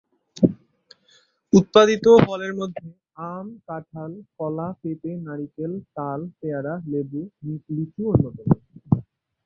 উৎপাদিত ফলের মধ্যে আম, কাঁঠাল, কলা, পেঁপে, নারিকেল, তাল, পেয়ারা, লেবু, লিচু অন্যতম।